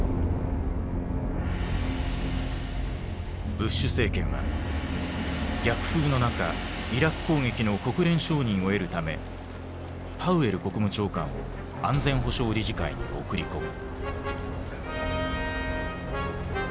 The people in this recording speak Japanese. ブッシュ政権は逆風の中イラク攻撃の国連承認を得るためパウエル国務長官を安全保障理事会に送り込む。